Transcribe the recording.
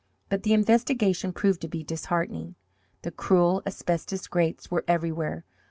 But the investigation proved to be disheartening. The cruel asbestos grates were everywhere.